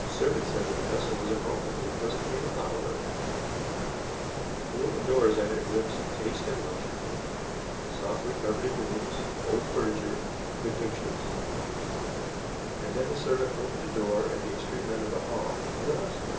The servant said the professor was at home and requested me to follow her. Through open doors I had a glimpse of taste and luxury softly carpeted rooms, old furniture, good pictures and then the servant opened a door at the extreme end of the hall and announced me.